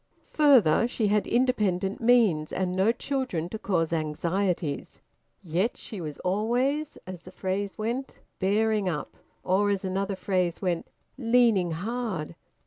Further, she had independent means, and no children to cause anxieties. Yet she was always, as the phrase went, `bearing up,' or, as another phrase went, `leaning hard.'